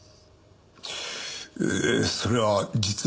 ええそれは実は。